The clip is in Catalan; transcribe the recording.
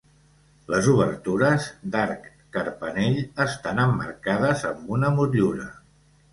Les obertures, d'arc carpanell, estan emmarcades amb una motllura.